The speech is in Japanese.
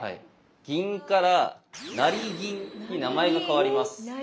銀から成銀に名前が変わります。